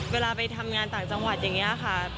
เวลาไปทำงานต่างจังหวัดอย่างนี้ค่ะ